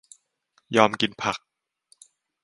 ยอมกินผัก